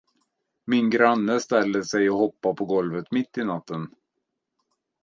Min granne ställer sig och hoppar på golvet mitt i natten.